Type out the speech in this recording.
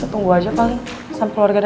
sampai keluarga dateng